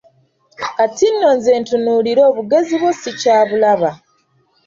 Kati nno nze ntunuulira obugezi bwo sikyabulaba.